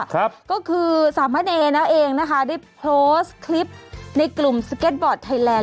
ก็คือสามะเนนะเองนะคะได้โพสต์คลิปในกลุ่มสเก็ตบอร์ดไทยแลนด